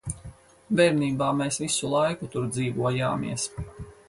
Bērnībā mēs visu laiku tur dzīvojāmies.